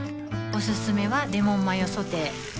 おすすめはレモンマヨソテー